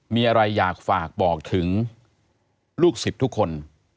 มีอะไรอยากฝากบอกถึงลูกศิษย์ทุกคน